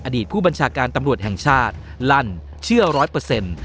อดีตผู้บัญชาการตำรวจแห่งชาติลั่นเชื่อร้อยเปอร์เซ็นต์